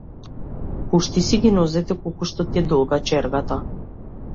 Пушти си ги нозете колку што ти е долга чергата.